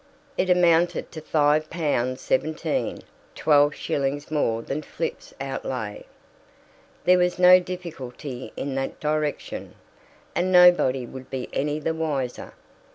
It amounted to five pounds seventeen, twelve shillings more than Flipp's outlay. There was no difficulty in that direction, and nobody would be any the wiser.